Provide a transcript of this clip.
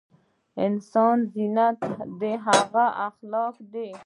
دانسان زينت دهغه اخلاق دي